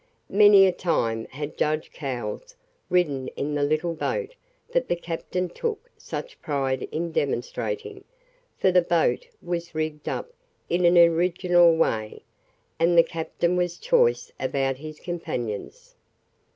Many a time had judge Cowles ridden in the little boat that the captain took such pride in demonstrating, for the boat was rigged up in an original way, and the captain was choice about his companions.